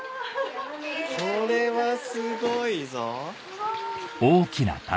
これはすごいぞ。